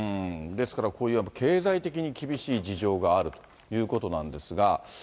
ですから、こういうやっぱり、経済的に厳しい事情があるということなんですが。